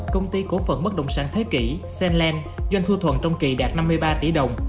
công ty cổ phận bất đồng sản thế kỷ sandland doanh thu thuận trong kỳ đạt năm mươi ba tỷ đồng